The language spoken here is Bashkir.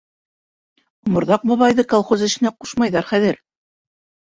Оморҙаҡ бабайҙы колхоз эшенә ҡушмайҙар хәҙер.